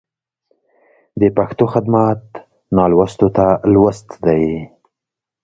د پښتو خدمت نالوستو ته لوست دی.